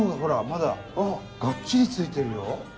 まだがっちりついてるよ。